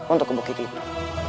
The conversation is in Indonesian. untuk ke bukit itu